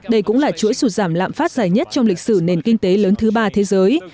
đây cũng là chuỗi sụt giảm lạm phát dài nhất trong lịch sử nền kinh tế lớn thứ ba thế giới